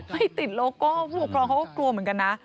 ไม่ติดโลโก้ผู้ปกครองเขาก็กลัวเหมือนกันนะ